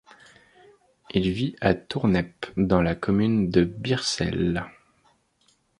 Il vit à Tourneppe dans la commune de Beersel.